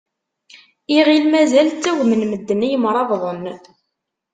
Iɣill mazal ttagmen medden i imrabḍen.